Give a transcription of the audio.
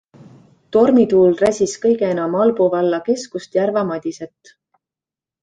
Tormituul räsis kõige enam Albu valla keskust Järva-Madiset.